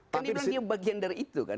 kan dia bilangnya bagian dari itu kan